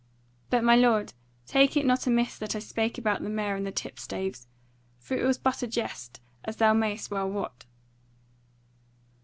But, my lord, take it not amiss that I spake about the mayor and the tipstaves; for it was but a jest, as thou mayest well wot."